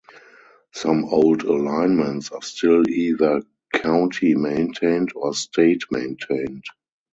Some old alignments are still either county-maintained or state-maintained.